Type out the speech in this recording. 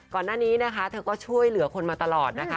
ก่อนหน้านี้เธอก็ช่วยเหลือคนมาตลอด